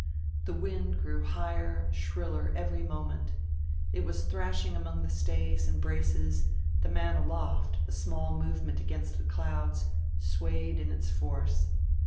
The wind grew higher, shriller, every moment; it was thrashing among the stays and braces; the man aloft, a small movement against the clouds, swayed in its force.